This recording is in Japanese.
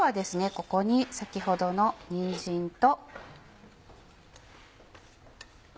ここに先ほどのにんじんと。